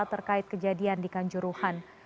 terkait kejadian di kanjuruhan